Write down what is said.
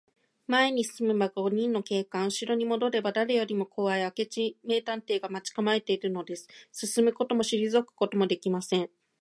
前に進めば五人の警官、うしろにもどれば、だれよりもこわい明智名探偵が待ちかまえているのです。進むこともしりぞくこともできません。